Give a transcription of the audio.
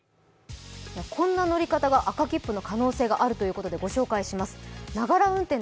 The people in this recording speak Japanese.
こんな乗り方が赤切符の可能性があるということでご紹介します。